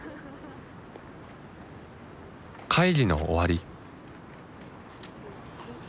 会議の終わり。